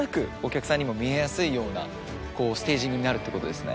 ようなステージングになるってことですね。